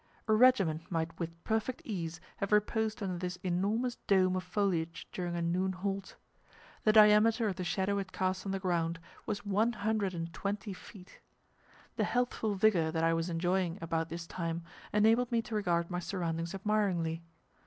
A regiment might with perfect ease have reposed under this enormous dome of foliage during a noon halt. The diameter of the shadow it cast on the ground was one hundred and twenty feet. The healthful vigor that I was enjoying about this time enabled me to regard my surroundings admiringly.